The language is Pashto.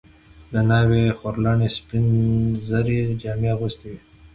د ناوې خورلڼې سپین زري جامې اغوستې وې.